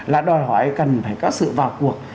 là đòi hỏi cần phải có sự vào cuộc